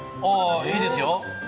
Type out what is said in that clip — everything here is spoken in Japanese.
あいいですよ。